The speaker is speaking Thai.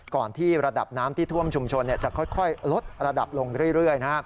ที่ระดับน้ำที่ท่วมชุมชนจะค่อยลดระดับลงเรื่อย